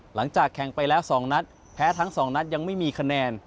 หลังจากแข่งไปแล้ว๒นัดแพ้ทั้งสองนัดยังไม่มีคะแนน